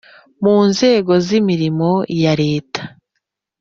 mu nzego z’imirimo ya leta